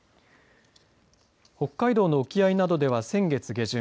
北海道の沖合などでは先月下旬